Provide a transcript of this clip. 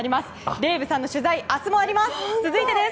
デイブさんの取材明日もあります！